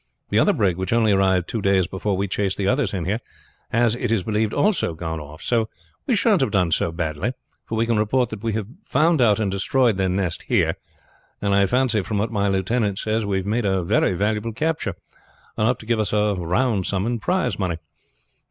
The other brig, which only arrived two days before we chased the others in here, has, it is believed, also gone off. So we shan't have done so badly; for we can report that we have found out and destroyed their nest here, and I fancy from what my lieutenant says we have made a very valuable capture, enough to give us all a round sum in prize money."